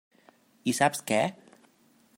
I saps què?